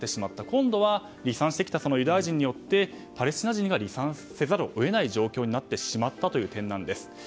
今度は離散してきたユダヤ人によってパレスチナ人が離散せざるを得ない状況になってしまった点です。